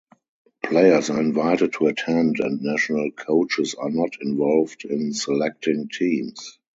Players are invited to attend and national coaches are not involved in selecting teams.